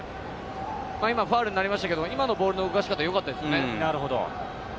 今、ファウルになりましたけれど、今のボールの動かし方は良かったですよね。